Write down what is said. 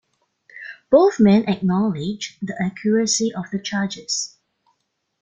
Both men acknowledged the accuracy of the charges.